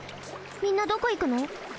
みんなどこ行くの？